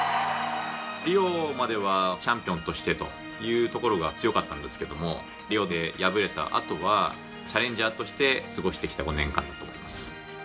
リオまではチャンピオンとしてというところが強かったんですけどもリオで敗れたあとはチャレンジャーとして過ごしてきた５年間だと思います。